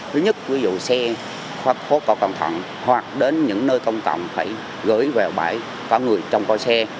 thứ nhất ví dụ xe khóa khóa có cẩn thận hoặc đến những nơi công cộng phải gửi vào bãi có người trong coi xe